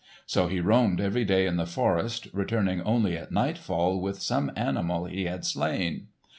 So he roamed every day in the forest returning only at nightfall with some animal he had slain.